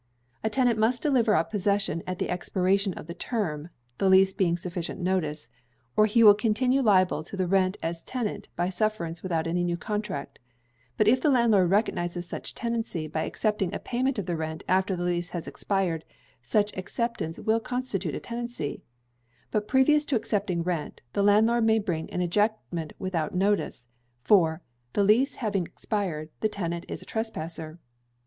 A tenant must deliver up possession at the expiration of the term (the lease being sufficient notice), or he will continue liable to the rent as tenant by sufferance without any new contract; but if the landlord recognises such tenancy by accepting a payment of rent after the lease has expired, such acceptance will constitute a tenancy; but previous to accepting rent, the landlord may bring his ejectment without notice; for, the lease having expired, the tenant is a trespasser.